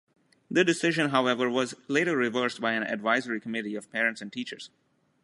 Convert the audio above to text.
The decision, however, was later reversed by an advisory committee of parents and teachers.